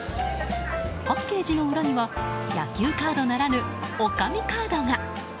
パッケージの裏には野球カードならぬ女将カードが。